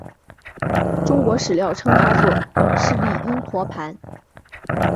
中国史料称他作释利因陀盘。